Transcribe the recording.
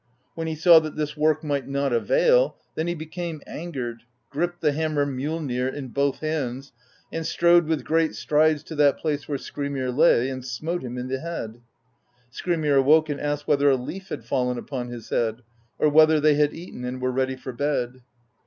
When he saw that this work might not avail, then he became angered, gripped the hammer Mjollnir in both hands, and strode with great strides to that place where Skrymir lay, and smote him in the head. Skrymir awoke, and asked whether a leaf had fallen upon his head; or whether they had eaten and were ready for bed?